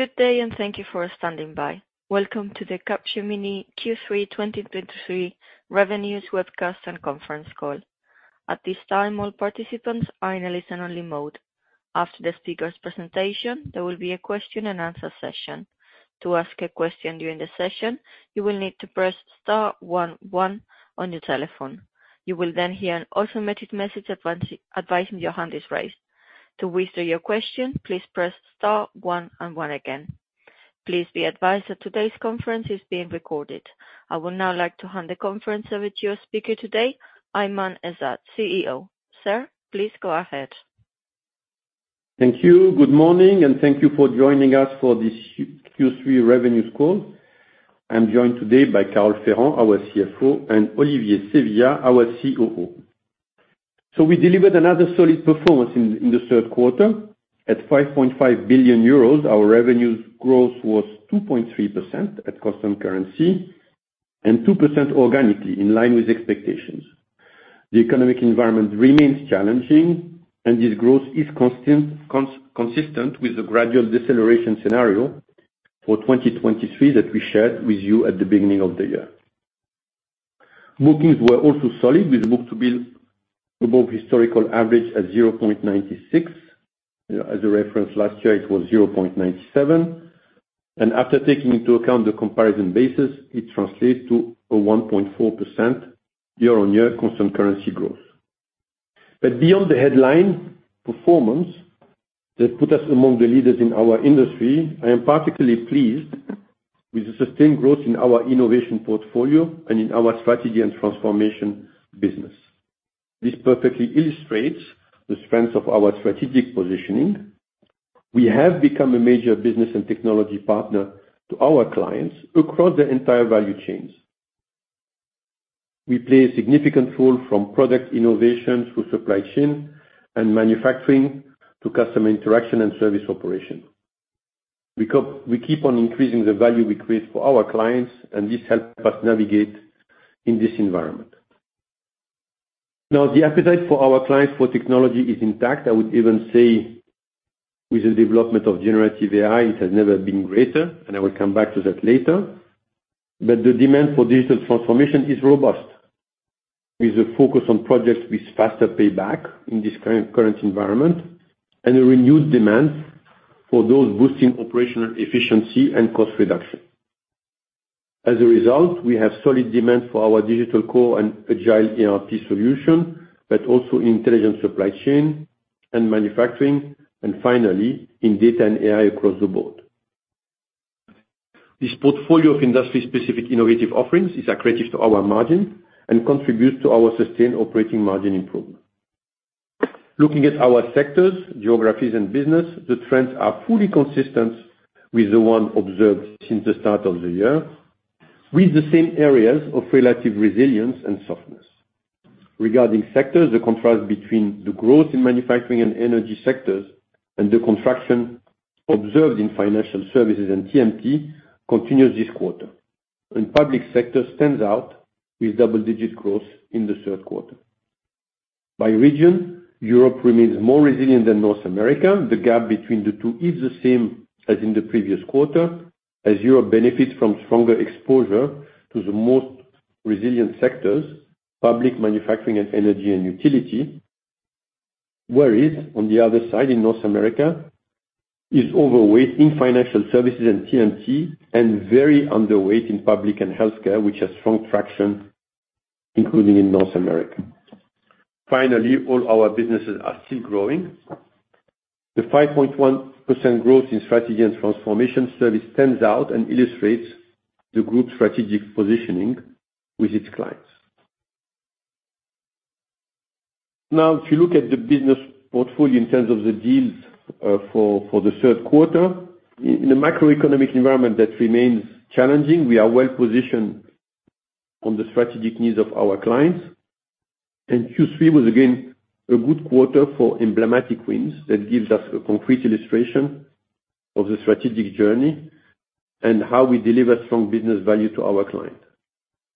Good day, and thank you for standing by. Welcome to the Capgemini Q3 2023 Revenues Webcast and Conference Call. At this time, all participants are in a listen-only mode. After the speaker's presentation, there will be a question and answer session. To ask a question during the session, you will need to press star one one on your telephone. You will then hear an automatic message advising your hand is raised. To withdraw your question, please press star one and one again. Please be advised that today's conference is being recorded. I would now like to hand the conference over to your speaker today, Aiman Ezzat, CEO. Sir, please go ahead. Thank you. Good morning, and thank you for joining us for this Q3 revenues call. I'm joined today by Carole Ferrand, our CFO, and Olivier Sevillia, our COO. So we delivered another solid performance in the third quarter. At 5.5 billion euros, our revenues growth was 2.3% at constant currency, and 2% organically in line with expectations. The economic environment remains challenging, and this growth is consistent with the gradual deceleration scenario for 2023 that we shared with you at the beginning of the year. Bookings were also solid, with book-to-bill above historical average at 0.96. As a reference, last year it was 0.97, and after taking into account the comparison basis, it translates to a 1.4% year-on-year constant currency growth. But beyond the headline performance that put us among the leaders in our industry, I am particularly pleased with the sustained growth in our innovation portfolio and in our strategy and transformation business. This perfectly illustrates the strength of our strategic positioning. We have become a major business and technology partner to our clients across the entire value chains. We play a significant role from product innovation through supply chain and manufacturing to customer interaction and service operation. We keep on increasing the value we create for our clients, and this helps us navigate in this environment. Now, the appetite for our clients for technology is intact. I would even say with the development of Generative AI, it has never been greater, and I will come back to that later. But the demand for digital transformation is robust, with a focus on projects with faster payback in this current environment and a renewed demand for those boosting operational efficiency and cost reduction. As a result, we have solid demand for our Digital Core and Agile ERP solution, but also intelligent supply chain and manufacturing, and finally, in data and AI across the board. This portfolio of industry-specific innovative offerings is accretive to our margin and contributes to our sustained operating margin improvement. Looking at our sectors, geographies, and business, the trends are fully consistent with the one observed since the start of the year, with the same areas of relative resilience and softness. Regarding sectors, the contrast between the growth in manufacturing and energy sectors and the contraction observed in financial services and TMT continues this quarter. Public sector stands out with double-digit growth in the third quarter. By region, Europe remains more resilient than North America. The gap between the two is the same as in the previous quarter, as Europe benefits from stronger exposure to the most resilient sectors: public, manufacturing, and energy and utility. Whereas, on the other side, in North America, is overweight in financial services and TMT, and very underweight in public and healthcare, which has strong traction, including in North America. Finally, all our businesses are still growing. The 5.1% growth in strategy and transformation service stands out and illustrates the group's strategic positioning with its clients. Now, if you look at the business portfolio in terms of the deals, for, for the third quarter, in a macroeconomic environment that remains challenging, we are well positioned on the strategic needs of our clients. And Q3 was again, a good quarter for emblematic wins. That gives us a concrete illustration of the strategic journey and how we deliver strong business value to our client.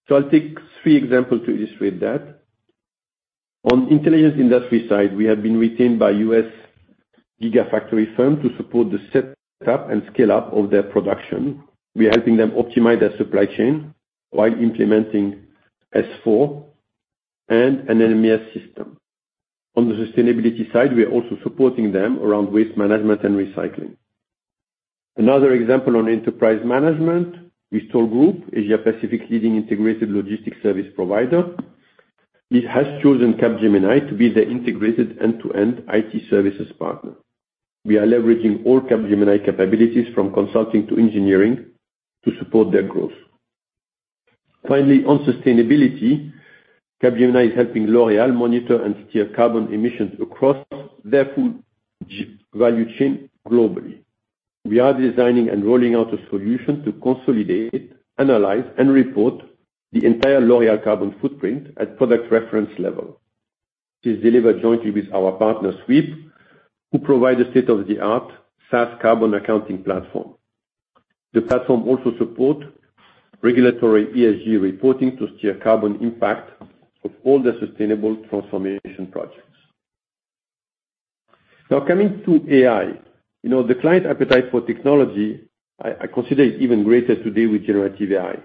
So I'll take three examples to illustrate that. On intelligence industry side, we have been retained by U.S. Gigafactory firm to support the set up and scale up of their production. We are helping them optimize their supply chain while implementing S/4 and an LMS system. On the sustainability side, we are also supporting them around waste management and recycling. Another example on enterprise management, with Toll Group, Asia Pacific's leading integrated logistics service provider, it has chosen Capgemini to be their integrated end-to-end IT services partner. We are leveraging all Capgemini capabilities, from consulting to engineering, to support their growth. Finally, on sustainability, Capgemini is helping L'Oréal monitor and steer carbon emissions across their full global value chain globally. We are designing and rolling out a solution to consolidate, analyze, and report the entire L'Oréal carbon footprint at product reference level. This is delivered jointly with our partner, Sweep, who provide a state-of-the-art SaaS carbon accounting platform.... The platform also support regulatory ESG reporting to steer carbon impact of all the sustainable transformation projects. Now, coming to AI, you know, the client appetite for technology, I, I consider it even greater today with Generative AI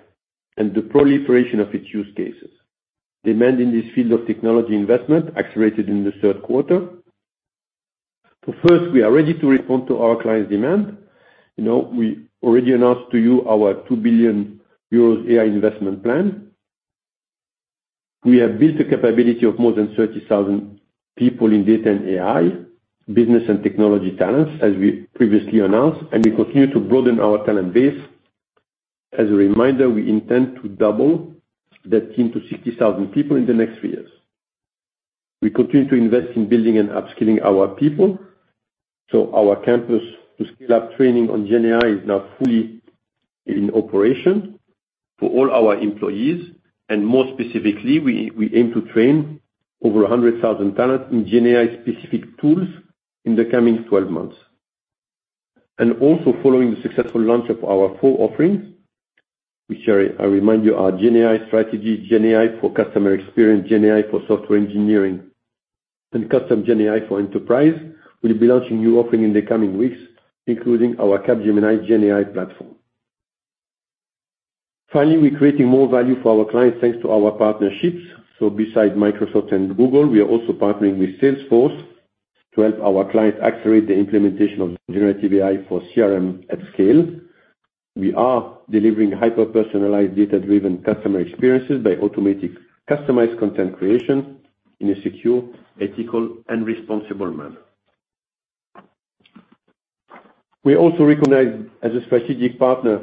and the proliferation of its use cases. Demand in this field of technology investment accelerated in the third quarter. So first, we are ready to respond to our clients' demand. You know, we already announced to you our 2 billion euros AI investment plan. We have built a capability of more than 30,000 people in data and AI, business and technology talents, as we previously announced, and we continue to broaden our talent base. As a reminder, we intend to double that team to 60,000 people in the next three years. We continue to invest in building and upskilling our people, so our campus to scale up training on GenAI is now fully in operation for all our employees, and more specifically, we, we aim to train over 100,000 talent in GenAI-specific tools in the coming 12 months. Also following the successful launch of our four offerings, which I, I remind you, our GenAI strategy, GenAI for customer experience, GenAI for software engineering, and custom GenAI for enterprise. We'll be launching new offering in the coming weeks, including our Capgemini GenAI Platform. Finally, we're creating more value for our clients, thanks to our partnerships. So besides Microsoft and Google, we are also partnering with Salesforce to help our clients accelerate the implementation of Generative AI for CRM at scale. We are delivering hyper-personalized, data-driven customer experiences by automating customized content creation in a secure, ethical, and responsible manner. We are also recognized as a strategic partner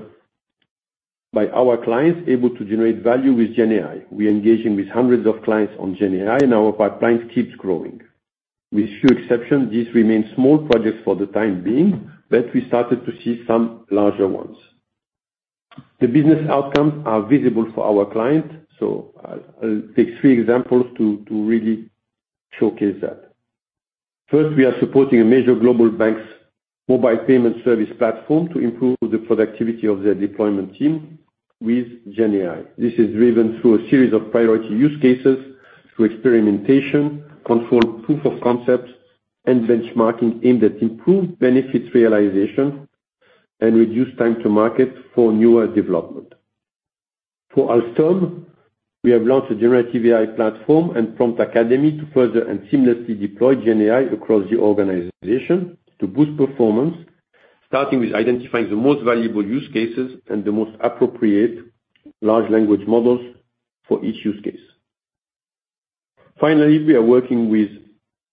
by our clients, able to generate value with GenAI. We're engaging with hundreds of clients on GenAI, and our pipeline keeps growing. With few exceptions, these remain small projects for the time being, but we started to see some larger ones. The business outcomes are visible for our clients, so I'll take three examples to really showcase that. First, we are supporting a major global bank's mobile payment service platform to improve the productivity of their deployment team with GenAI. This is driven through a series of priority use cases, through experimentation, controlled proof of concepts, and benchmarking, aimed at improved benefit realization and reduced time to market for newer development. For Alstom, we have launched a generative AI platform and Prompt Academy to further and seamlessly deploy GenAI across the organization to boost performance, starting with identifying the most valuable use cases and the most appropriate large language models for each use case. Finally, we are working with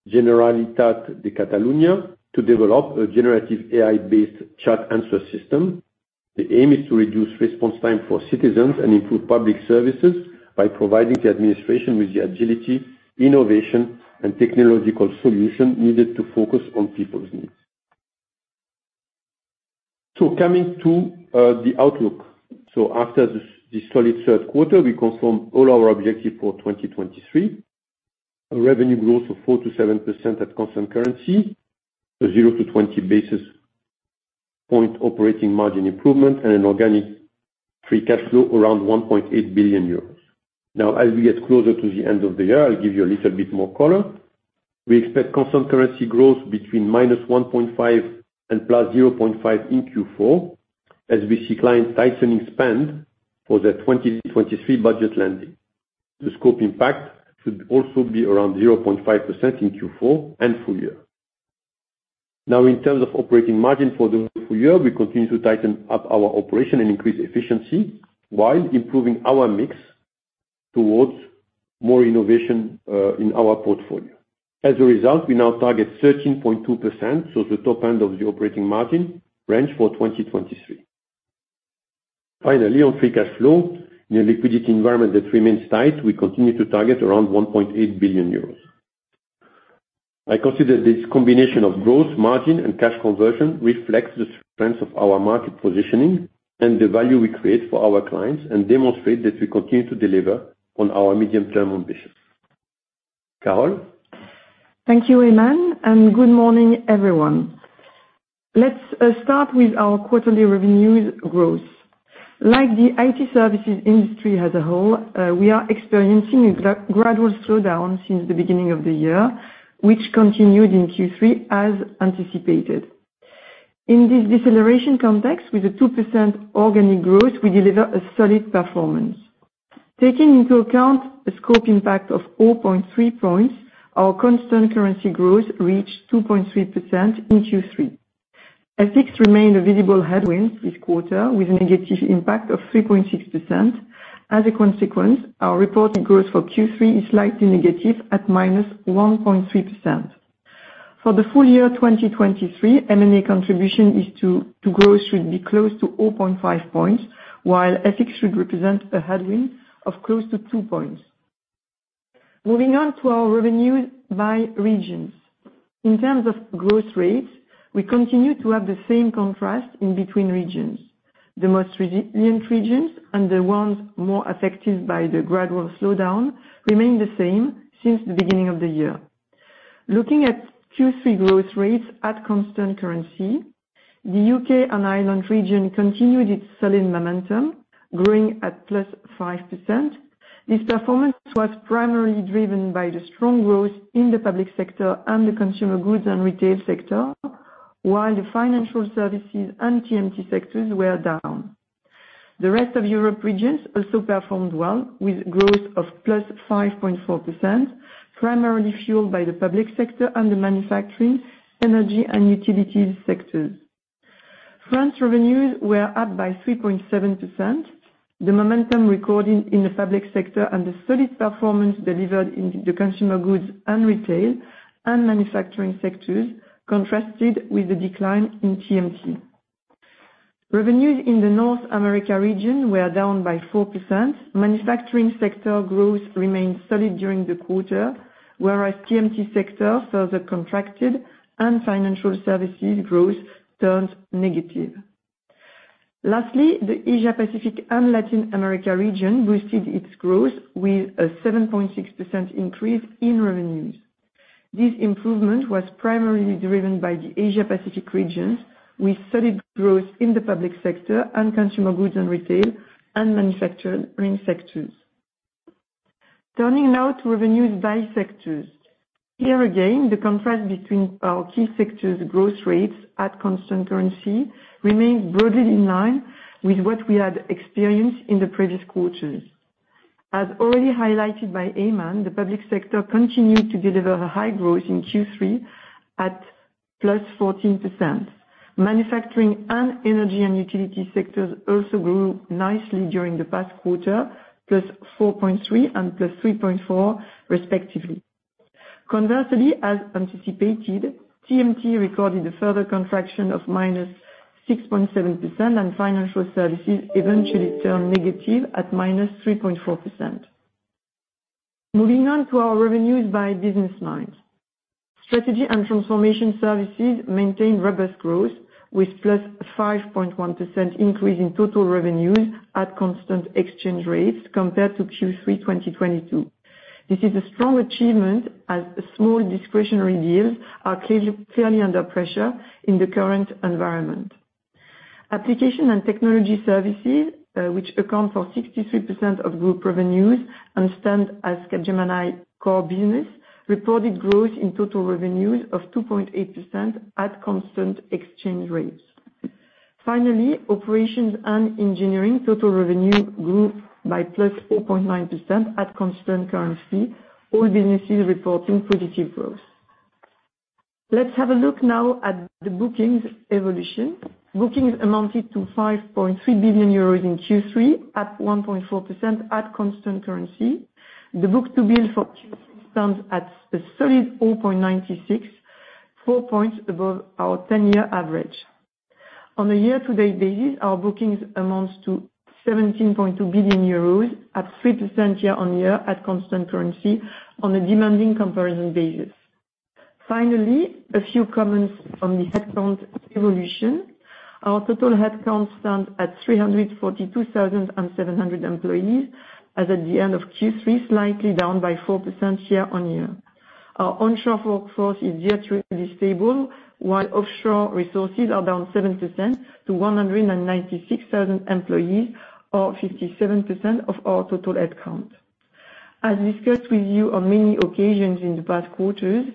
Generalitat de Catalunya to develop a generative AI-based chat answer system. The aim is to reduce response time for citizens and improve public services by providing the administration with the agility, innovation, and technological solution needed to focus on people's needs. So coming to the outlook. So after this, this solid third quarter, we confirm all our objective for 2023: a revenue growth of 4%-7% at constant currency, a 0-20 basis point operating margin improvement, and an organic free cash flow around 1.8 billion euros. Now, as we get closer to the end of the year, I'll give you a little bit more color. We expect constant currency growth between -1.5 and +0.5 in Q4, as we see clients tightening spend for the 2023 budget landing. The scope impact should also be around 0.5% in Q4 and full year. Now, in terms of operating margin for the full year, we continue to tighten up our operation and increase efficiency, while improving our mix towards more innovation in our portfolio. As a result, we now target 13.2%, so the top end of the operating margin range for 2023. Finally, on free cash flow, in a liquidity environment that remains tight, we continue to target around 1.8 billion euros. I consider this combination of growth, margin, and cash conversion reflects the strength of our market positioning and the value we create for our clients and demonstrate that we continue to deliver on our medium-term ambitions. Carole? Thank you, Aiman, and good morning, everyone. Let's start with our quarterly revenues growth. Like the IT services industry as a whole, we are experiencing a gradual slowdown since the beginning of the year, which continued in Q3, as anticipated. In this deceleration context, with a 2% organic growth, we deliver a solid performance. Taking into account the scope impact of 4.3 points, our constant currency growth reached 2.3% in Q3. FX remained a visible headwind this quarter, with a negative impact of 3.6%. As a consequence, our reported growth for Q3 is slightly negative, at -1.3%. For the full year 2023, M&A contribution to growth should be close to 0.5 points, while FX should represent a headwind of close to two points. Moving on to our revenues by regions. In terms of growth rates, we continue to have the same contrast in between regions. The most resilient regions and the ones more affected by the gradual slowdown remained the same since the beginning of the year. Looking at Q3 growth rates at constant currency, the UK and Ireland region continued its solid momentum, growing at +5%. This performance was primarily driven by the strong growth in the public sector and the consumer goods and retail sector, while the financial services and TMT sectors were down. The rest of Europe regions also performed well, with growth of +5.4%, primarily fueled by the public sector and the manufacturing, energy and utilities sectors. France revenues were up by 3.7%. The momentum recorded in the public sector and the solid performance delivered in the consumer goods and retail and manufacturing sectors contrasted with the decline in TMT. Revenues in the North America region were down by 4%. Manufacturing sector growth remained solid during the quarter, whereas TMT sector further contracted and financial services growth turned negative. Lastly, the Asia Pacific and Latin America region boosted its growth with a 7.6% increase in revenues. This improvement was primarily driven by the Asia Pacific regions, with solid growth in the public sector and consumer goods and retail and manufacturing sectors. Turning now to revenues by sectors. Here again, the contrast between our key sectors growth rates at constant currency remained broadly in line with what we had experienced in the previous quarters. As already highlighted by Aiman, the public sector continued to deliver a high growth in Q3 at +14%. Manufacturing and energy and utility sectors also grew nicely during the past quarter, +4.3% and +3.4% respectively. Conversely, as anticipated, TMT recorded a further contraction of -6.7%, and financial services eventually turned negative at -3.4%. Moving on to our revenues by business lines. Strategy and transformation services maintained robust growth, with +5.1% increase in total revenues at constant exchange rates compared to Q3 2022. This is a strong achievement as small discretionary deals are clearly, clearly under pressure in the current environment. Application and technology services, which account for 63% of group revenues and stand as Capgemini core business, reported growth in total revenues of 2.8% at constant exchange rates. Finally, operations and engineering total revenue grew by +4.9% at constant currency, all businesses reporting positive growth. Let's have a look now at the bookings evolution. Bookings amounted to 5.3 billion euros in Q3, up 1.4% at constant currency. The book-to-bill for Q3 stands at a solid 4.96, four points above our 10-year average. On a year-to-date basis, our bookings amounts to 17.2 billion euros at 3% year-on-year at constant currency on a demanding comparison basis. Finally, a few comments on the headcount evolution. Our total headcount stands at 342,700 employees as at the end of Q3, slightly down by 4% year-on-year. Our onshore workforce is yet really stable, while offshore resources are down 7% to 196,000 employees, or 57% of our total headcount. As discussed with you on many occasions in the past quarters,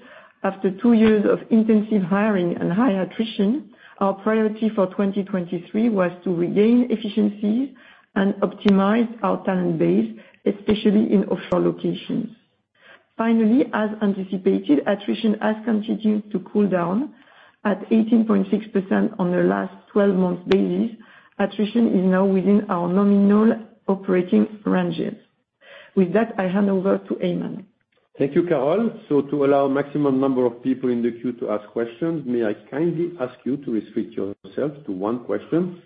after two years of intensive hiring and high attrition, our priority for 2023 was to regain efficiencies and optimize our talent base, especially in offshore locations. Finally, as anticipated, attrition has continued to cool down at 18.6% on the last twelve months basis. Attrition is now within our nominal operating ranges. With that, I hand over to Aiman. Thank you, Carole. So to allow maximum number of people in the queue to ask questions, may I kindly ask you to restrict yourself to one question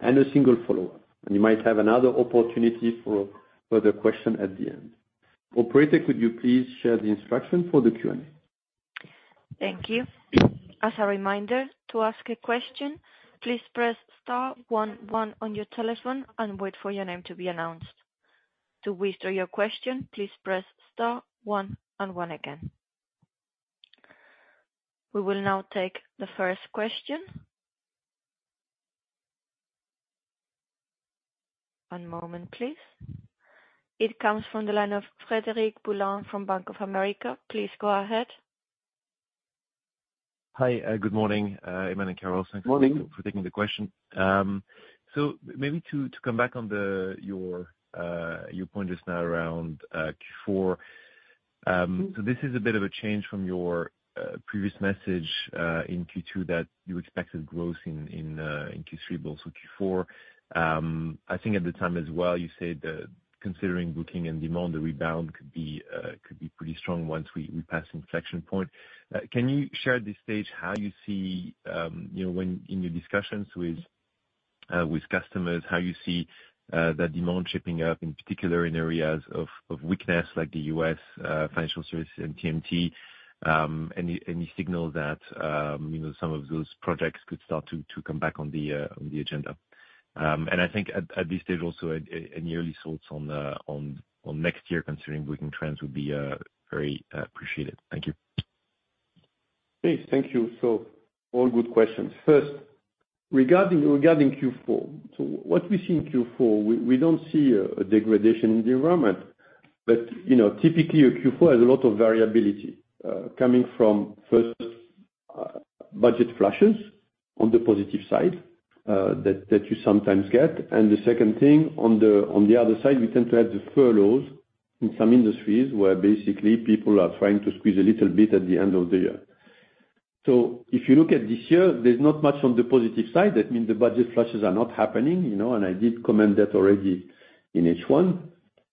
and a single follow-up, and you might have another opportunity for further question at the end. Operator, could you please share the instructions for the Q&A? Thank you. As a reminder, to ask a question, please press star one one on your telephone and wait for your name to be announced. To withdraw your question, please press star one and one again. We will now take the first question. One moment, please. It comes from the line of Frederic Boulan from Bank of America. Please go ahead. Hi, good morning, Aiman and Carole. Morning. Thanks for taking the question. So maybe to come back on your point just now around Q4. So this is a bit of a change from your previous message in Q2, that you expected growth in Q3, but also Q4. I think at the time as well, you said that considering booking and demand, the rebound could be pretty strong once we pass inflection point. Can you share at this stage how you see, you know, when in your discussions with customers, how you see that demand shaping up, in particular in areas of weakness, like the U.S., financial services and TMT? Any signal that, you know, some of those projects could start to come back on the agenda? I think at this stage, also, any early thoughts on next year, considering booking trends, would be very appreciated. Thank you.... Yes, thank you. So all good questions. First, regarding Q4, so what we see in Q4, we don't see a degradation in the environment, but, you know, typically, a Q4 has a lot of variability coming from first, budget flushes on the positive side, that you sometimes get. And the second thing, on the other side, we tend to have deferrals in some industries, where basically people are trying to squeeze a little bit at the end of the year. So if you look at this year, there's not much on the positive side. That means the budget flushes are not happening, you know, and I did comment that already in H1,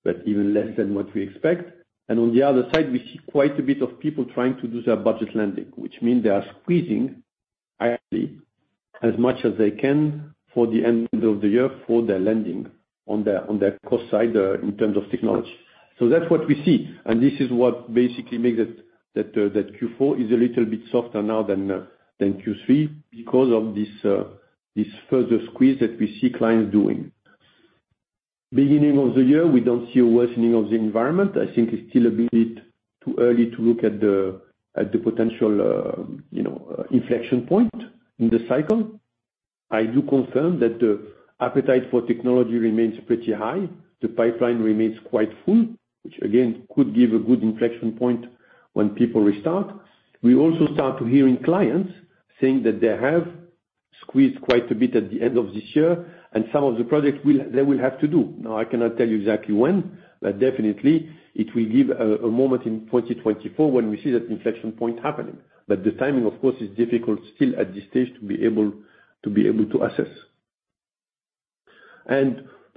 but even less than what we expect. On the other side, we see quite a bit of people trying to do their budget landing, which mean they are squeezing highly as much as they can for the end of the year for their landing on their cost side, in terms of technology. So that's what we see, and this is what basically makes it that, that Q4 is a little bit softer now than Q3, because of this, this further squeeze that we see clients doing. Beginning of the year, we don't see a worsening of the environment. I think it's still a bit too early to look at the potential, you know, inflection point in the cycle. I do confirm that the appetite for technology remains pretty high. The pipeline remains quite full, which again, could give a good inflection point when people restart. We also start to hear clients saying that they have squeezed quite a bit at the end of this year, and some of the projects they will have to do. Now, I cannot tell you exactly when, but definitely it will give a moment in 2024 when we see that inflection point happening. But the timing, of course, is difficult still at this stage to be able to assess.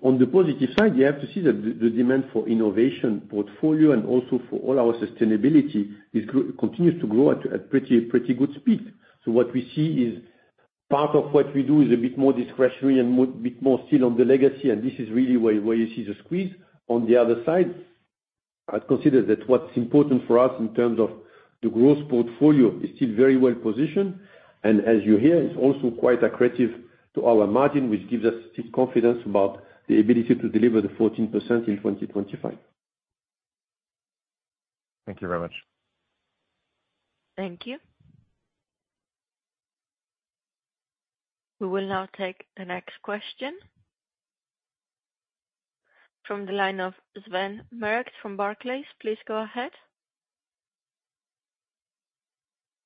On the positive side, you have to see that the demand for innovation portfolio, and also for all our sustainability, continues to grow at pretty good speed. So what we see is part of what we do is a bit more discretionary and bit more still on the legacy, and this is really where you see the squeeze. On the other side, I'd consider that what's important for us in terms of the growth portfolio is still very well positioned, and as you hear, it's also quite accretive to our margin, which gives us still confidence about the ability to deliver the 14% in 2025. Thank you very much. Thank you. We will now take the next question from the line of Sven Merkt from Barclays. Please go ahead.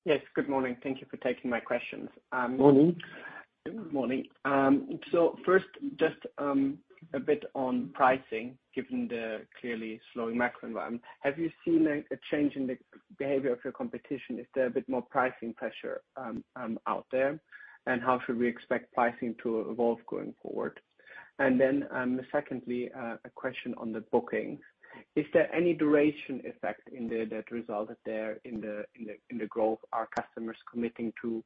Yes, good morning. Thank you for taking my questions, Morning. Good morning. So first, just, a bit on pricing, given the clearly slowing macro environment. Have you seen a change in the behavior of your competition? Is there a bit more pricing pressure out there? And how should we expect pricing to evolve going forward? And then, secondly, a question on the bookings. Is there any duration effect in there that resulted in the growth? Are customers committing to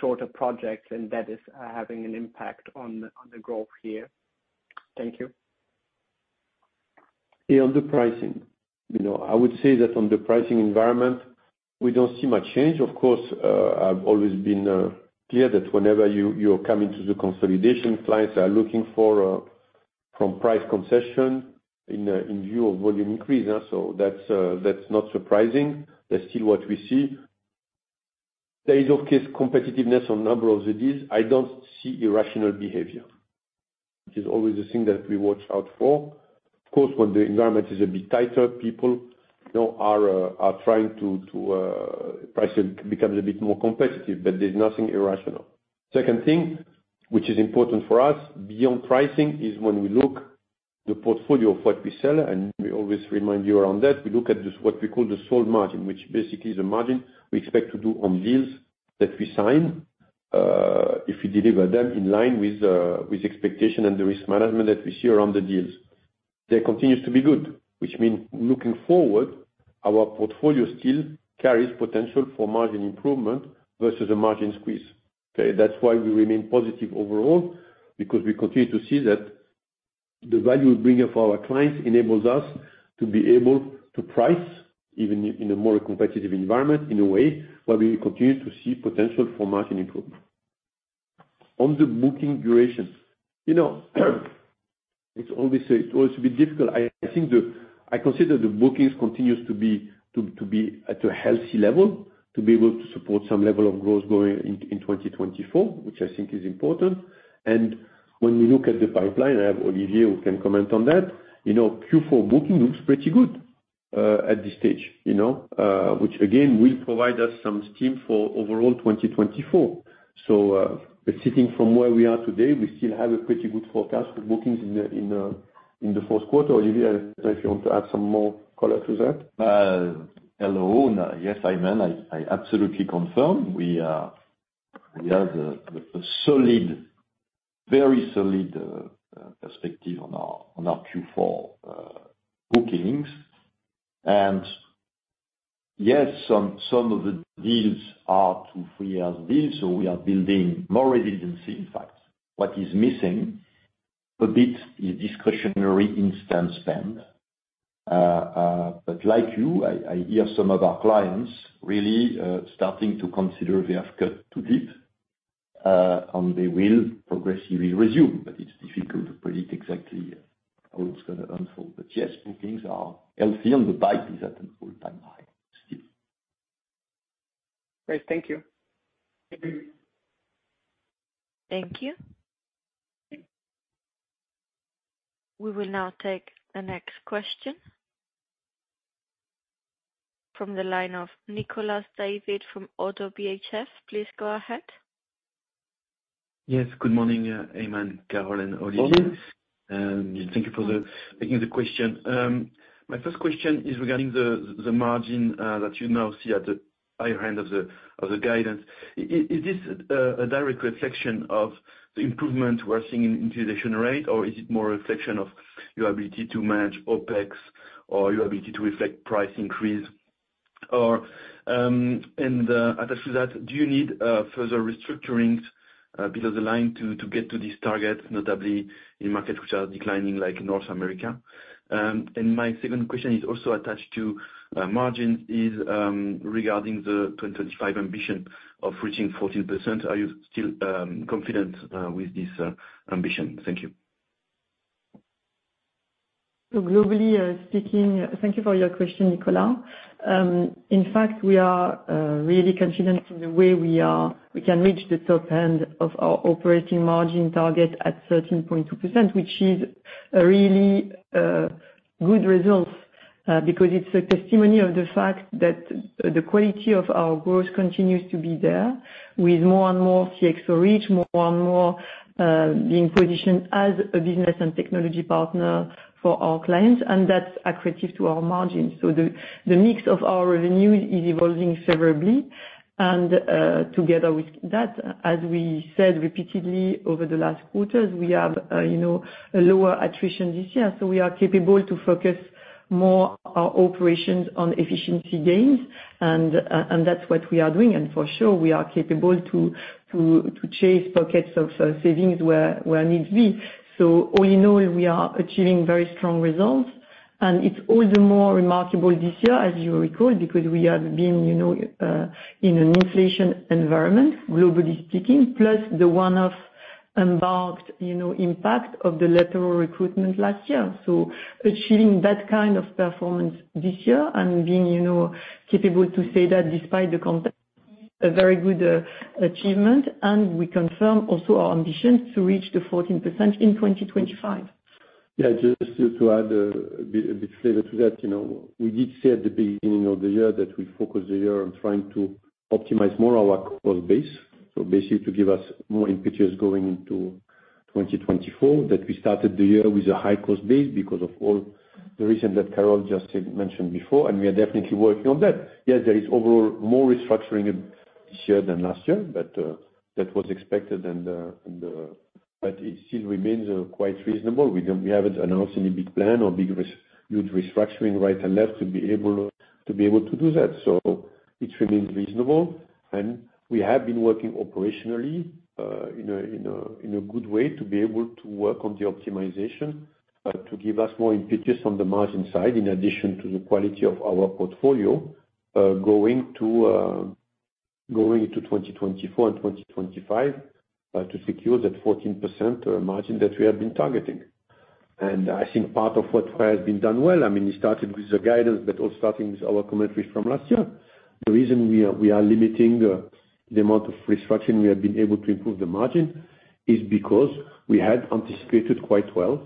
shorter projects, and that is having an impact on the growth here? Thank you. Yeah, on the pricing, you know, I would say that on the pricing environment, we don't see much change. Of course, I've always been clear that whenever you, you're coming to the consolidation, clients are looking for from price concession in in view of volume increase, so that's that's not surprising. That's still what we see. There is, of course, competitiveness on number of the deals. I don't see irrational behavior, which is always the thing that we watch out for. Of course, when the environment is a bit tighter, people, you know, are are trying to to prices becomes a bit more competitive, but there's nothing irrational. Second thing, which is important for us beyond pricing, is when we look the portfolio of what we sell, and we always remind you around that, we look at this, what we call the sold margin, which basically is the margin we expect to do on deals that we sign, if we deliver them in line with, with expectation and the risk management that we see around the deals. That continues to be good, which mean looking forward, our portfolio still carries potential for margin improvement versus a margin squeeze. Okay? That's why we remain positive overall, because we continue to see that the value we bring up for our clients enables us to be able to price, even in a more competitive environment, in a way where we continue to see potential for margin improvement. On the booking duration, you know, it's always a bit difficult. I think the bookings continues to be at a healthy level, to be able to support some level of growth going in 2024, which I think is important. And when we look at the pipeline, I have Olivier, who can comment on that, you know, Q4 booking looks pretty good at this stage, you know, which again, will provide us some steam for overall 2024. So, but sitting from where we are today, we still have a pretty good forecast for bookings in the fourth quarter. Olivier, if you want to add some more color to that? Hello. Yes, I mean, I absolutely confirm. We have a solid, very solid perspective on our Q4 bookings. And yes, some of the deals are to three years deals, so we are building more resiliency, in fact. What is missing a bit is discretionary instance spend. But like you, I hear some of our clients really starting to consider they have cut too deep.... and they will progressively resume, but it's difficult to predict exactly how it's gonna unfold. But yes, bookings are healthy, and the pipe is at an all-time high still. Great. Thank you. Thank you. We will now take the next question from the line of Nicolas David from ODDO BHF. Please go ahead. Yes, good morning, Aiman, Carole, and Olivier. Morning. Thank you for taking the question. My first question is regarding the margin that you now see at the higher end of the guidance. Is this a direct reflection of the improvement we're seeing in utilization rate, or is it more a reflection of your ability to manage OpEx or your ability to reflect price increase? After that, do you need further restructuring below the line to get to this target, notably in markets which are declining, like North America? My second question is also attached to margin, is regarding the 2025 ambition of reaching 14%, are you still confident with this ambition? Thank you. So globally speaking... Thank you for your question, Nicolas. In fact, we are really confident in the way we can reach the top end of our operating margin target at 13.2%, which is a really good result because it's a testimony of the fact that the quality of our growth continues to be there, with more and more CXO reach, more and more being positioned as a business and technology partner for our clients, and that's accretive to our margins. So the mix of our revenue is evolving favorably, and together with that, as we said repeatedly over the last quarters, we have you know, a lower attrition this year. So we are capable to focus more our operations on efficiency gains, and that's what we are doing. For sure, we are capable to chase pockets of savings where need be. So all in all, we are achieving very strong results, and it's all the more remarkable this year, as you recall, because we have been, you know, in an inflation environment, globally speaking, plus the one-off embarked, you know, impact of the lateral recruitment last year. So achieving that kind of performance this year and being, you know, capable to say that despite the context, a very good achievement, and we confirm also our ambition to reach the 14% in 2025. Yeah, just to add a bit flavor to that, you know, we did say at the beginning of the year that we focus the year on trying to optimize more our cost base. So basically, to give us more impetus going into 2024, that we started the year with a high-cost base because of all the reasons that Carole just said, mentioned before, and we are definitely working on that. Yes, there is overall more restructuring this year than last year, but that was expected and but it still remains quite reasonable. We don't, we haven't announced any big plan or big huge restructuring right and left to be able to do that. So it remains reasonable, and we have been working operationally in a good way to be able to work on the optimization to give us more impetus on the margin side, in addition to the quality of our portfolio, going into 2024 and 2025, to secure that 14% margin that we have been targeting. And I think part of what has been done well, I mean, we started with the guidance, but also starting with our commentary from last year. The reason we are limiting the amount of restructuring, we have been able to improve the margin is because we had anticipated quite well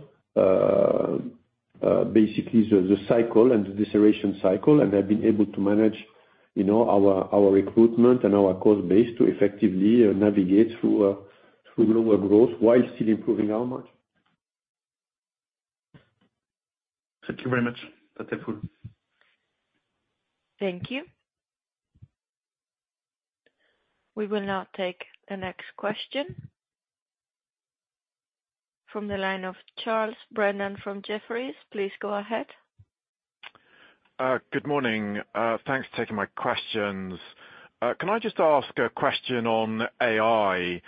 basically the cycle and the deceleration cycle, and have been able to manage, you know, our recruitment and our cost base to effectively navigate through lower growth while still improving our margin. Thank you very much. That's helpful. Thank you. We will now take the next question from the line of Charles Brennan from Jefferies. Please go ahead. Good morning. Thanks for taking my questions. Can I just ask a question on AI,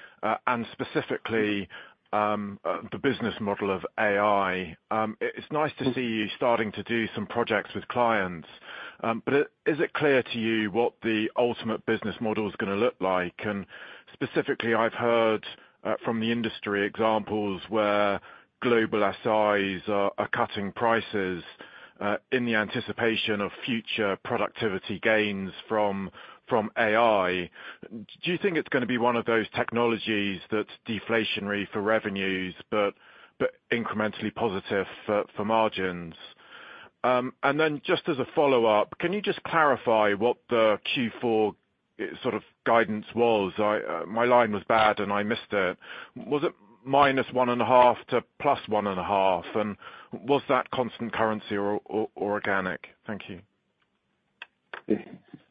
and specifically, the business model of AI? It's nice to see you starting to do some projects with clients, but is it clear to you what the ultimate business model is gonna look like? And specifically, I've heard, from the industry examples where global SIs are cutting prices, in the anticipation of future productivity gains from AI. Do you think it's gonna be one of those technologies that's deflationary for revenues, but incrementally positive for margins? And then just as a follow-up, can you just clarify what the Q4 sort of guidance was? I, my line was bad, and I missed it. Was it -1.5 to +1.5, and was that constant currency or organic? Thank you.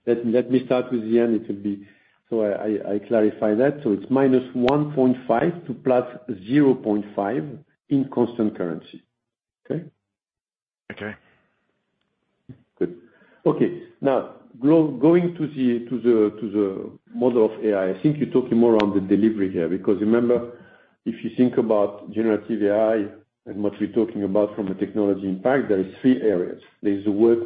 Let me start with the end, so I clarify that. So it's -1.5 to +0.5 in constant currency. Okay? Okay. Good. Okay. Now going to the model of AI, I think you're talking more on the delivery here, because remember, if you think about Generative AI and what we're talking about from a technology impact, there is three areas. There's the work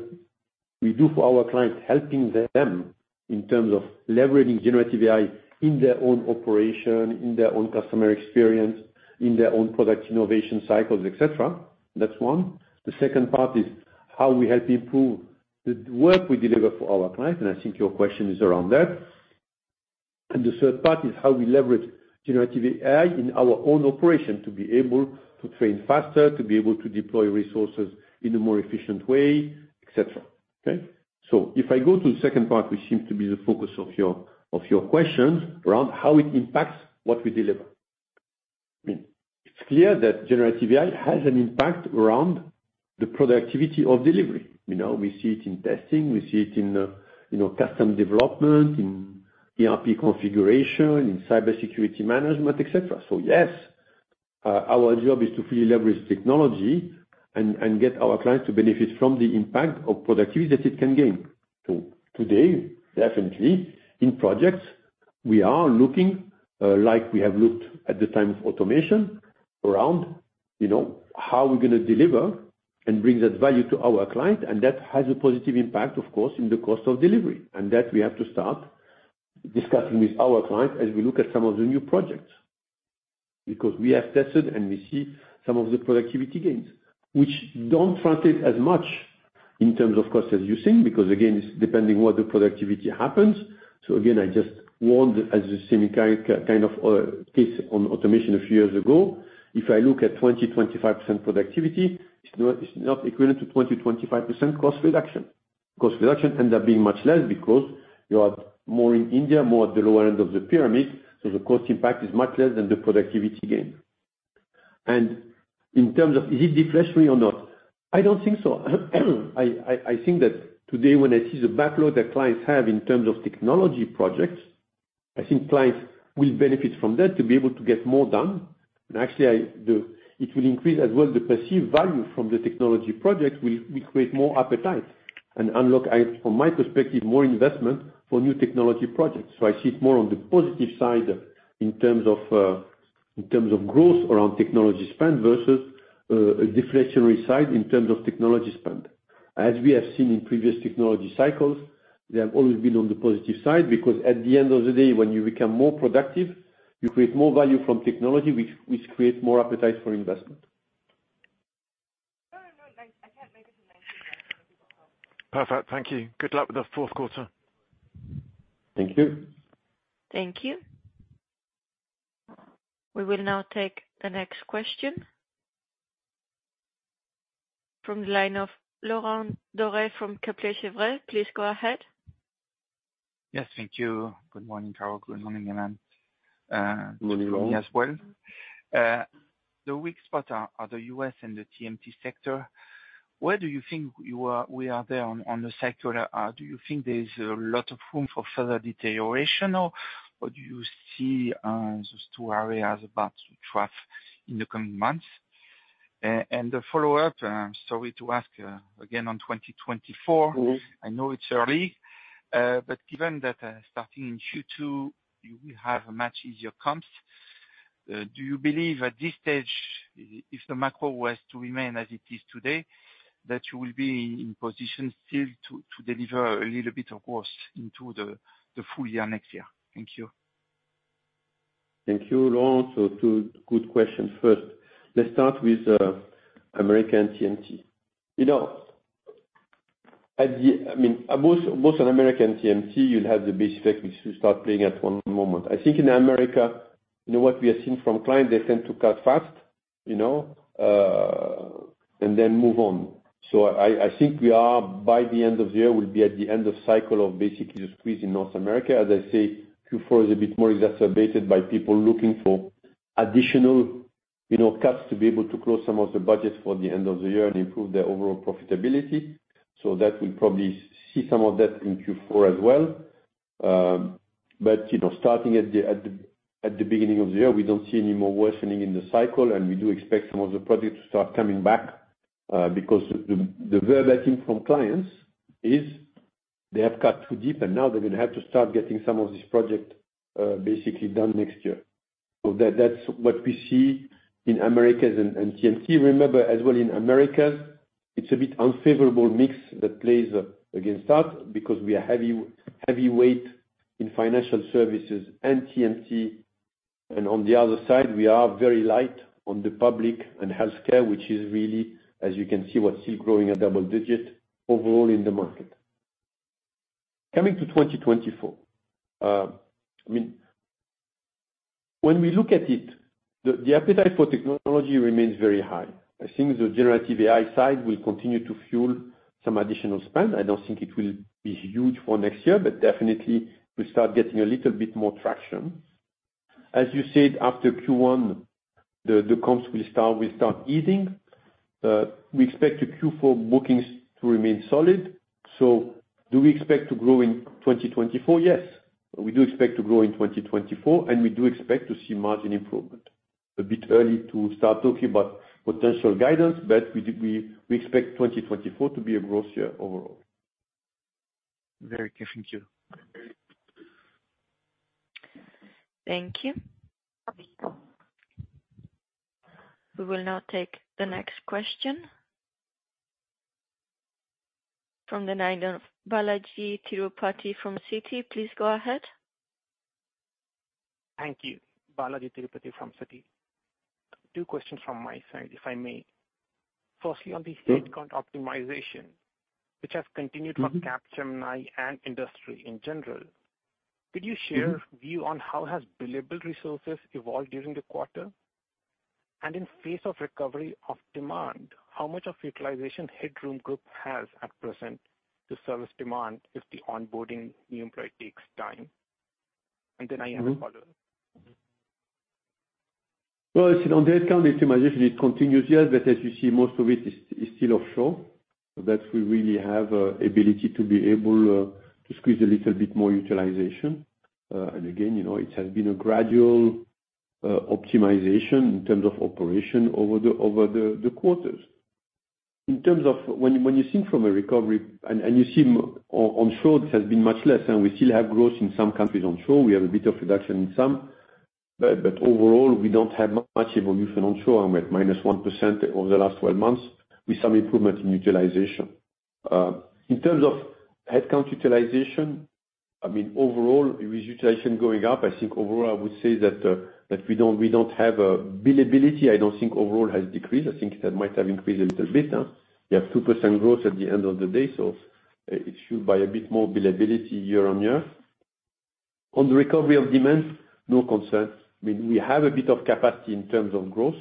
we do for our clients, helping them in terms of leveraging Generative AI in their own operation, in their own customer experience, in their own product innovation cycles, et cetera. That's one. The second part is how we help improve the work we deliver for our clients, and I think your question is around that. The third part is how we leverage Generative AI in our own operation to be able to train faster, to be able to deploy resources in a more efficient way, et cetera, okay? So if I go to the second part, which seems to be the focus of your, of your questions, around how it impacts what we deliver. I mean, it's clear that Generative AI has an impact around the productivity of delivery. You know, we see it in testing, we see it in, you know, custom development, in ERP configuration, in cybersecurity management, et cetera. So, yes, our job is to fully leverage technology and, and get our clients to benefit from the impact of productivity that it can gain. So today, definitely, in projects, we are looking, like we have looked at the time of automation, around, you know, how we're gonna deliver and bring that value to our client, and that has a positive impact, of course, in the cost of delivery. That we have to start discussing with our clients as we look at some of the new projects. Because we have tested, and we see some of the productivity gains, which don't translate as much in terms of cost reducing, because, again, it's depending what the productivity happens. So again, I just want, as the same kind of case on automation a few years ago, if I look at 20-25% productivity, it's not equivalent to 20%-25% cost reduction. Cost reduction ends up being much less because you are more in India, more at the lower end of the pyramid, so the cost impact is much less than the productivity gain. And in terms of is it deflationary or not? I don't think so. I think that today, when I see the backload that clients have in terms of technology projects, I think clients will benefit from that to be able to get more done. And actually, it will increase as well, the perceived value from the technology projects will create more appetite and unlock, from my perspective, more investment for new technology projects. So I see it more on the positive side in terms of, in terms of growth around technology spend versus, a deflationary side in terms of technology spend. As we have seen in previous technology cycles, they have always been on the positive side, because at the end of the day, when you become more productive, you create more value from technology, which create more appetite for investment. Perfect. Thank you. Good luck with the fourth quarter. Thank you. Thank you. We will now take the next question from the line of Laurent Daure from Kepler Cheuvreux. Please go ahead. Yes, thank you. Good morning, Carole. Good morning, Aiman. Good morning, Laurent. Me as well. The weak spot are the U.S. and the TMT sector. Where do you think you are, we are there on the sector? Do you think there is a lot of room for further deterioration, or what do you see those two areas about to trough in the coming months? And the follow-up, I'm sorry to ask, again on 2024. Mm-hmm. I know it's early, but given that, starting in Q2, you will have a much easier comps, do you believe at this stage, if the macro was to remain as it is today, that you will be in position still to, to deliver a little bit of growth into the, the full year next year? Thank you. Thank you, Laurent. So two good questions. First, let's start with American TMT. You know, at the... I mean, most, most of American TMT, you'll have the base effects, which will start playing at one moment. I think in America, you know, what we have seen from clients, they tend to cut fast, you know, and then move on. So I, I think we are, by the end of the year, will be at the end of cycle of basically the squeeze in North America. As I say, Q4 is a bit more exacerbated by people looking for additional, you know, cuts to be able to close some of the budgets for the end of the year and improve their overall profitability. So that will probably see some of that in Q4 as well. But, you know, starting at the beginning of the year, we don't see any more worsening in the cycle, and we do expect some of the projects to start coming back, because the word I think from clients is they have cut too deep, and now they're gonna have to start getting some of this project basically done next year. So that's what we see in Americas and TMT. Remember, as well, in Americas, it's a bit unfavorable mix that plays against that, because we are heavy, heavyweight in financial services and TMT, and on the other side, we are very light on the public and healthcare, which is really, as you can see, what's still growing at double digit overall in the market. Coming to 2024, I mean, when we look at it, the appetite for technology remains very high. I think the Generative AI side will continue to fuel some additional spend. I don't think it will be huge for next year, but definitely we start getting a little bit more traction. As you said, after Q1, the comps will start easing. We expect the Q4 bookings to remain solid. So do we expect to grow in 2024? Yes, we do expect to grow in 2024, and we do expect to see margin improvement. A bit early to start talking about potential guidance, but we expect 2024 to be a growth year overall. Very clear. Thank you.... Thank you. We will now take the next question from the line of Balajee Tirupati from Citi. Please go ahead. Thank you. Balajee Tirupati from Citi. Two questions from my side, if I may. Firstly, on the headcount optimization, which has continued for Capgemini and industry in general, could you share view on how has billable resources evolved during the quarter? And in face of recovery of demand, how much of utilization headroom group has at present to service demand if the onboarding new employee takes time? And then I have a follow-up. Mm-hmm. Well, so on the headcount optimization, it continues, yes, but as you see, most of it is still offshore. That we really have ability to be able to squeeze a little bit more utilization. And again, you know, it has been a gradual optimization in terms of operation over the quarters. In terms of when you think from a recovery and you see onshore, this has been much less, and we still have growth in some countries onshore. We have a bit of reduction in some, but overall, we don't have much evolution onshore, at minus 1% over the last 12 months, with some improvement in utilization. In terms of headcount utilization, I mean, overall, with utilization going up, I think overall, I would say that, that we don't, we don't have a... billability, I don't think overall has decreased. I think that might have increased a little bit. We have 2% growth at the end of the day, so, it's fueled by a bit more billability year-on-year. On the recovery of demand, no concerns. I mean, we have a bit of capacity in terms of growth,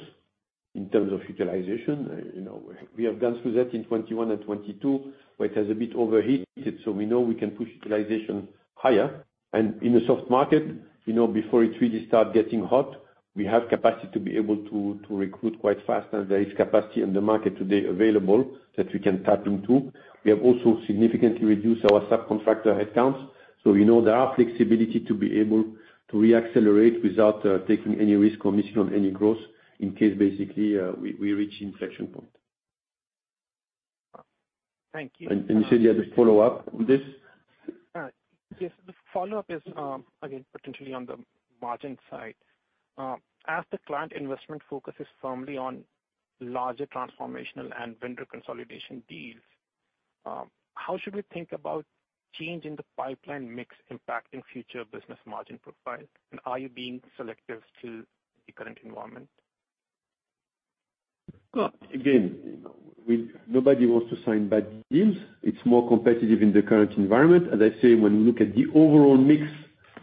in terms of utilization. You know, we have gone through that in 2021 and 2022, where it has a bit overheated, so we know we can push utilization higher. In a soft market, you know, before it really start getting hot, we have capacity to be able to, to recruit quite fast, and there is capacity in the market today available that we can tap into. We have also significantly reduced our subcontractor headcounts, so we know there are flexibility to be able to re-accelerate without taking any risk or missing on any growth in case basically we reach inflection point. Thank you. You said you had a follow-up on this? Yes. The follow-up is, again, potentially on the margin side. As the client investment focus is firmly on larger transformational and vendor consolidation deals, how should we think about change in the pipeline mix impacting future business margin profile? And are you being selective to the current environment? Well, again, you know, nobody wants to sign bad deals. It's more competitive in the current environment. As I say, when we look at the overall mix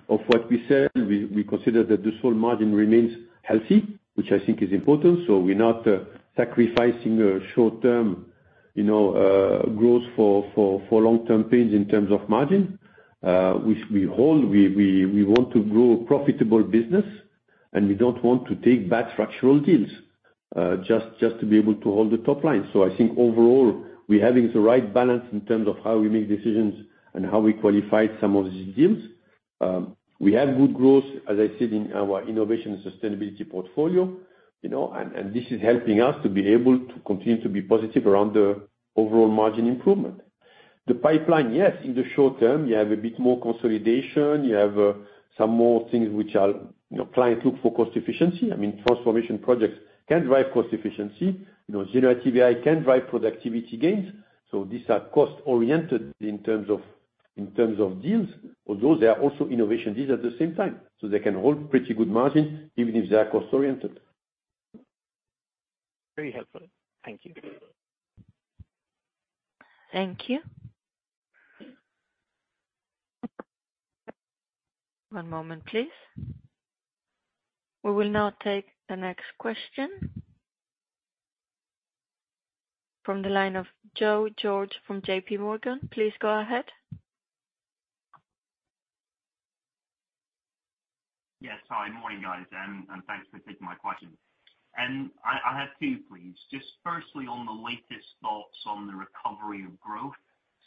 of what we sell, we consider that the sold margin remains healthy, which I think is important, so we're not sacrificing short-term, you know, growth for long-term gains in terms of margin. Which we hold, we want to grow profitable business, and we don't want to take bad structural deals, just to be able to hold the top line. So I think overall, we're having the right balance in terms of how we make decisions and how we qualify some of these deals. We have good growth, as I said, in our innovation and sustainability portfolio, you know, and, and this is helping us to be able to continue to be positive around the overall margin improvement. The pipeline, yes, in the short term, you have a bit more consolidation. You have some more things which are... You know, clients look for cost efficiency. I mean, transformation projects can drive cost efficiency. You know, Generative AI can drive productivity gains. So these are cost-oriented in terms of, in terms of deals, although they are also innovation deals at the same time, so they can hold pretty good margin, even if they are cost-oriented. Very helpful. Thank you. Thank you. One moment, please. We will now take the next question from the line of Joe George from JP Morgan. Please go ahead. Yes. Hi, morning, guys, and thanks for taking my question. I have two, please. Just firstly, on the latest thoughts on the recovery of growth.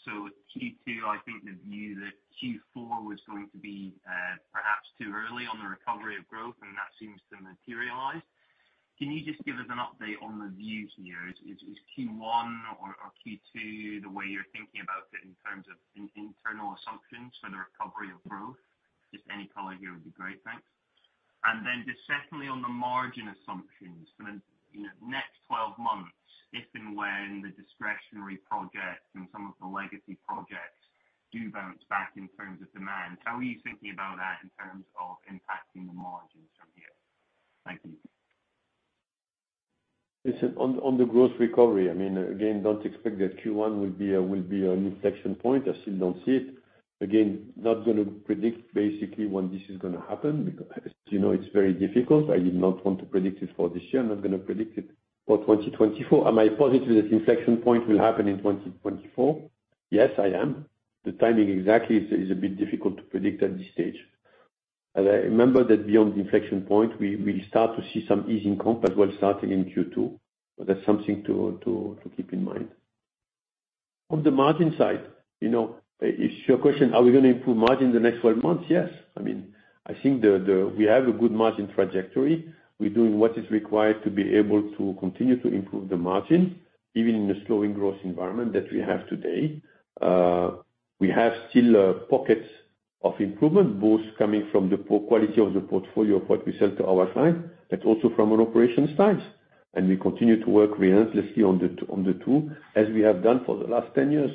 So Q2, I think the view that Q4 was going to be perhaps too early on the recovery of growth, and that seems to materialize. Can you just give us an update on the view here? Is Q1 or Q2 the way you're thinking about it in terms of internal assumptions for the recovery of growth? Just any color here would be great. Thanks. And then just secondly, on the margin assumptions for the, you know, next 12 months, if and when the discretionary projects and some of the legacy projects do bounce back in terms of demand, how are you thinking about that in terms of impacting the margins from here? Thank you. Listen, on the growth recovery, I mean, again, don't expect that Q1 will be an inflection point. I still don't see it. Again, not gonna predict basically when this is gonna happen, because, as you know, it's very difficult. I did not want to predict it for this year. I'm not gonna predict it for 2024. Am I positive this inflection point will happen in 2024? Yes, I am. The timing exactly is a bit difficult to predict at this stage. As I remember, that beyond the inflection point, we start to see some ease in comp as well, starting in Q2, but that's something to keep in mind. On the margin side, you know, if your question, are we gonna improve margin in the next 12 months? Yes. I mean, I think we have a good margin trajectory. We're doing what is required to be able to continue to improve the margin, even in the slowing growth environment that we have today. We have still pockets of improvement, both coming from the poor quality of the portfolio of what we sell to our clients, but also from an operation side. We continue to work relentlessly on the two, as we have done for the last 10 years.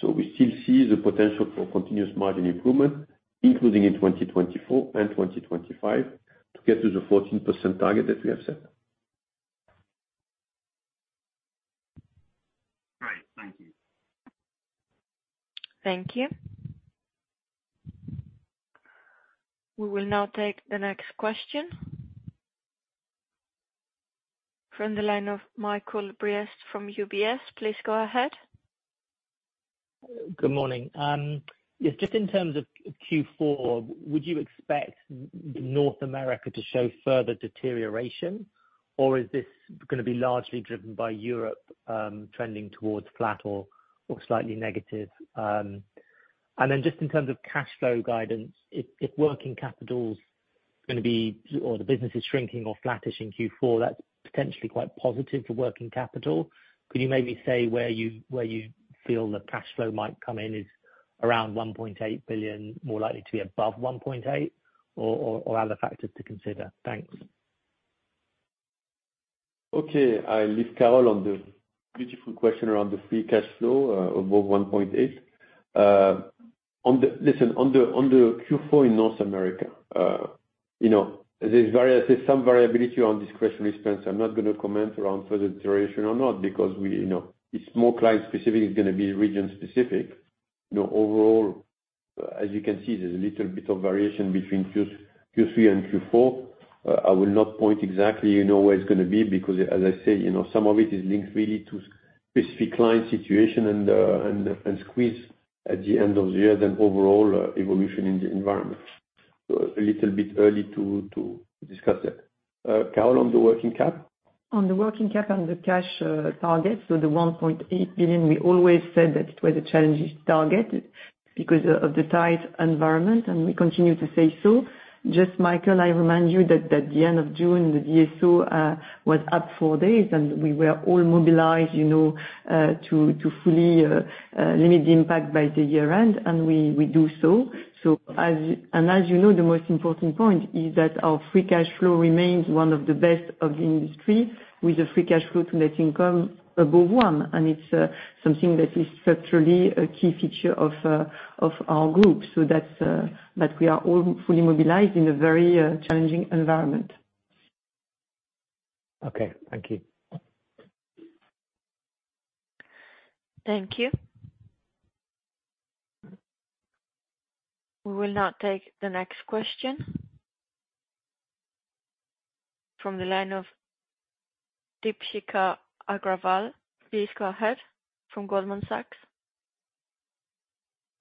So we still see the potential for continuous margin improvement, including in 2024 and 2025, to get to the 14% target that we have set. Great. Thank you. Thank you. We will now take the next question. From the line of Michael Briest from UBS. Please go ahead. Good morning. Yes, just in terms of Q4, would you expect North America to show further deterioration, or is this going to be largely driven by Europe, trending towards flat or slightly negative? And then just in terms of cash flow guidance, if working capital's going to be, or the business is shrinking or flattish in Q4, that's potentially quite positive for working capital. Could you maybe say where you feel the cash flow might come in, is around 1.8 billion more likely to be above 1.8 billion, or other factors to consider? Thanks. Okay. I'll leave Carole on the beautiful question around the free cash flow above 1.8. On the Q4 in North America, you know, there's some variability on discretionary expense. I'm not going to comment around further duration or not, because you know, it's more client specific, it's going to be region specific. You know, overall, as you can see, there's a little bit of variation between Q3 and Q4. I will not point exactly, you know, where it's going to be, because as I say, you know, some of it is linked really to specific client situation, and squeeze at the end of the year than overall evolution in the environment. So a little bit early to discuss that. Carole, on the working cap? On the working cap and the cash target, so the 1.8 billion, we always said that it was a challenging target because of the tight environment, and we continue to say so. Just Michael, I remind you that at the end of June, the DSO was up four days, and we were all mobilized, you know, to fully limit the impact by the year-end, and we do so. So, as you know, the most important point is that our free cash flow remains one of the best of the industry, with a free cash flow to net income above 1, and it's something that is structurally a key feature of our group. So that's that we are all fully mobilized in a very challenging environment. Okay. Thank you. Thank you. We will now take the next question. From the line of Deepshikha Agarwal, please go ahead, from Goldman Sachs.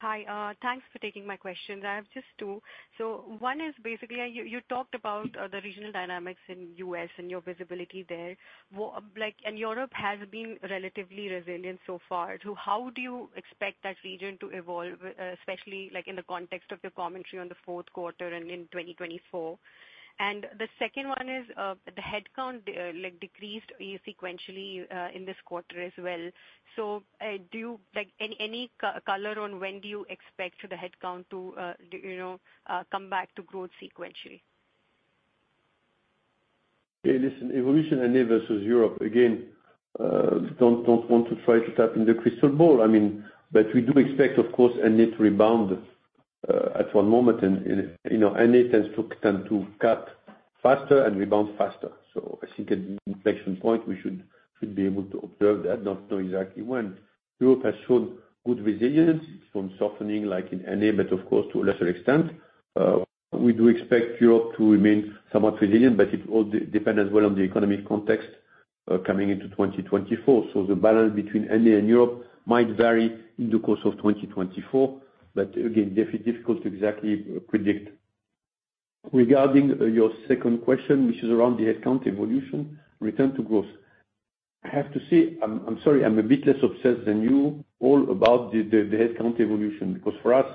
Hi. Thanks for taking my questions. I have just two. So one is basically, you talked about the regional dynamics in the U.S. and your visibility there. What-- like, and Europe has been relatively resilient so far. So how do you expect that region to evolve, especially, like, in the context of your commentary on the fourth quarter and in 2024? And the second one is, the headcount, like, decreased sequentially, in this quarter as well. So, do you-- like, any color on when do you expect the headcount to, you know, come back to growth sequentially? Hey, listen, evolution in N.A. versus Europe, again, don't want to try to tap in the crystal ball. I mean, but we do expect, of course, N.A. to rebound at one moment, and, you know, N.A. tends to cut faster and rebound faster. So I think at inflection point, we should be able to observe that, not know exactly when. Europe has shown good resilience from softening, like in N..A, but of course, to a lesser extent. We do expect Europe to remain somewhat resilient, but it all depend as well on the economic context coming into 2024. So the balance between N.A. and Europe might vary in the course of 2024, but again, difficult to exactly predict. Regarding your second question, which is around the headcount evolution, return to growth. I have to say, I'm sorry, I'm a bit less obsessed than you all about the headcount evolution, because for us,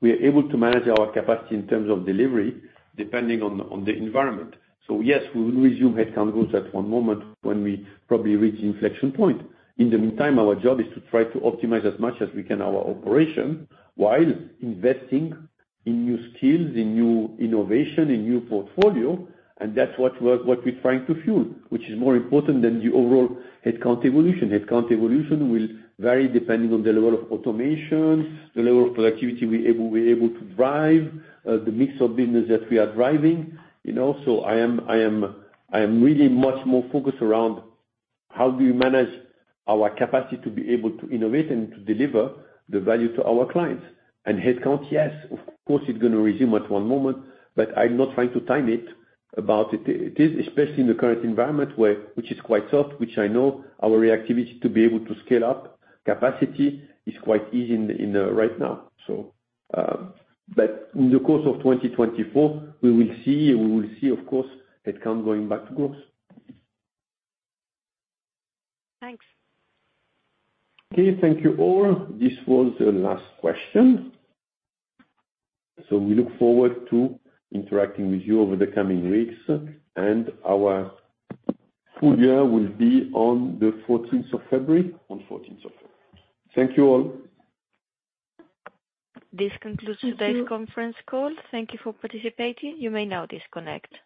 we are able to manage our capacity in terms of delivery, depending on the environment. So yes, we will resume headcount growth at one moment when we probably reach inflection point. In the meantime, our job is to try to optimize as much as we can our operation, while investing in new skills, in new innovation, in new portfolio, and that's what we're trying to fuel, which is more important than the overall headcount evolution. Headcount evolution will vary depending on the level of automation, the level of productivity we're able to drive, the mix of business that we are driving. You know, so I am really much more focused around how do we manage our capacity to be able to innovate and to deliver the value to our clients. And headcount, yes, of course, it's going to resume at one moment, but I'm not trying to time it. But it is, especially in the current environment where, which is quite soft, which I know our reactivity to be able to scale up capacity is quite easy in the right now, so. But in the course of 2024, we will see, we will see, of course, headcount going back to growth. Thanks. Okay. Thank you, all. This was the last question. So we look forward to interacting with you over the coming weeks, and our full year will be on the fourteenth of February. On 14th of February. Thank you, all. This concludes- Thank you. today's conference call. Thank you for participating. You may now disconnect.